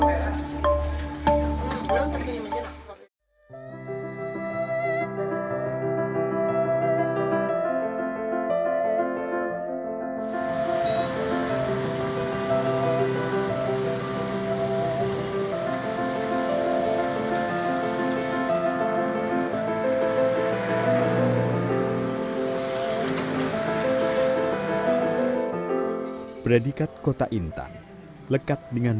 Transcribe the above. tetapi saya saja saja ke perlu melakukan artisan yang lebih enggan